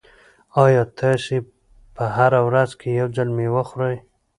ایا تاسي په ورځ کې یو ځل مېوه خورئ؟